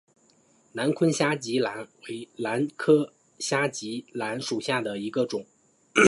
南昆虾脊兰为兰科虾脊兰属下的一个种。